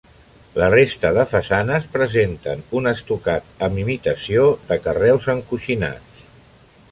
La resta de façanes presenta un estucat amb imitació de carreus encoixinats.